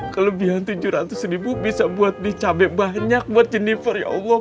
kelebihan tujuh ratus bisa buat nih cabe banyak buat jennifer ya allah